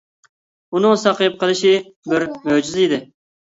ئۇنىڭ ساقىيىپ قېلىشى بىر مۆجىزە ئىدى.